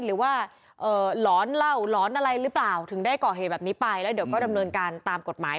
หรือว่าหลอนเหล้าหลอนอะไรหรือเปล่าถึงได้ก่อเหตุแบบนี้ไปแล้วเดี๋ยวก็ดำเนินการตามกฎหมาย